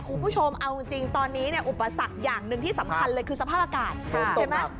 คุณผู้ชมเอาจริงตอนนี้นะอุปสรรคอย่างนึงที่สำคัญเลยคือสภาคากาศ